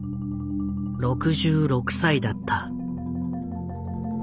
６６歳だった。